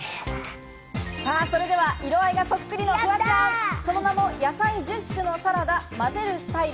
それでは色合いがそっくりのフワちゃん、その名も「野菜１０種のサラダ混ぜるスタイル」